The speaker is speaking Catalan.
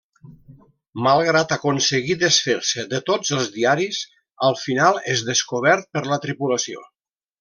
Malgrat aconseguir desfer-se de tots els diaris al final és descobert per la tripulació.